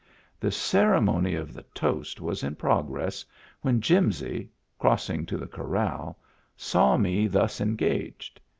The ceremony of the toast was in progress when Jimsy, crossing to the corral, saw me thus engaged.